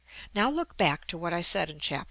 Now look back to what I said in Chap.